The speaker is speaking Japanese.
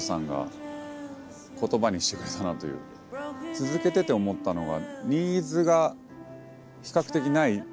続けてて思ったのが。